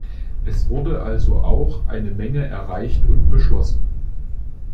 Es wurde also auch eine Menge erreicht und beschlossen.